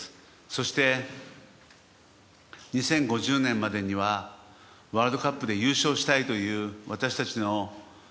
そして、２０５０年までにはワールドカップで優勝したいという私たちのＪＦＡ